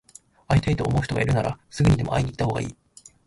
会いたいと思う人がいるなら、すぐにでも会いに行ったほうがいい。